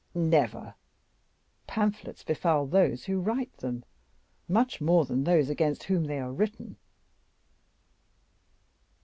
"Never! Pamphlets befoul those who write them much more than those against whom they are written.